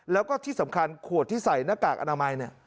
แล้วก็ที่สำคัญขวดที่ใส่หน้ากากอนามัยเนี่ย